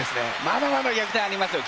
まだまだ逆転ありますよ！